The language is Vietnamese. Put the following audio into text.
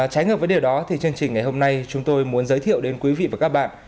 trái ngược với điều đó thì chương trình ngày hôm nay chúng tôi muốn giới thiệu đến quý vị và các bạn